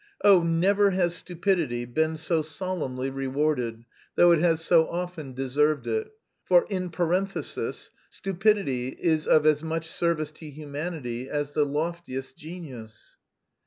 Oh, never has stupidity been so solemnly rewarded, though it has so often deserved it.... For, en parenthese, stupidity is of as much service to humanity as the loftiest genius...."